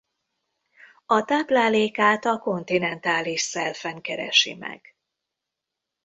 A táplálékát a kontinentális selfen keresi meg.